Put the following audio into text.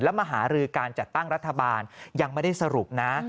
มาหารือการจัดตั้งรัฐบาลยังไม่ได้สรุปนะ